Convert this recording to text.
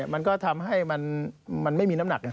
มันก็ทำให้มันไม่มีน้ำหนักไง